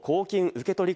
受け取り